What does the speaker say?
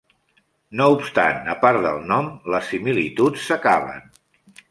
No obstant, a part del nom, les similituds s'acaben.